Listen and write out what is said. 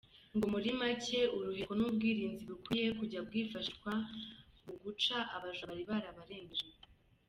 Ngo muri make uruhereko ni uburinzi bukwiye kujya bwifashishwa mu gushya abajura bari babarembeje.